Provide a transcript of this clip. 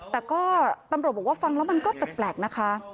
แต่ก็ตำรวจบอกว่าฟังแล้วมันก็แปลกนะคะ